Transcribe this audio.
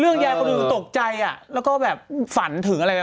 เรื่องยายคนอื่นตกใจอ่ะแล้วก็แบบฝันถึงอะไรอ่ะเออ